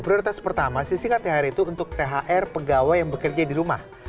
prioritas pertama sisikan thr itu untuk thr pegawai yang bekerja di rumah